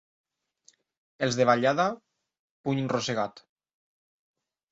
Els de Vallada, puny rosegat.